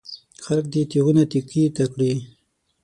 خلک دې تېغونه تېکې ته کړي.